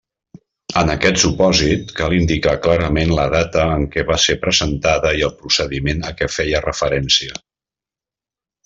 En aquest supòsit, cal indicar clarament la data en què va ser presentada i el procediment a què feia referència.